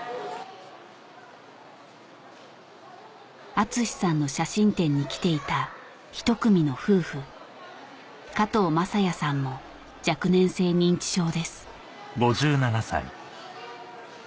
厚さんの写真展に来ていた一組の夫婦も若年性認知症です